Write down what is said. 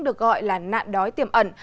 được gọi là nạn đói tiềm ẩn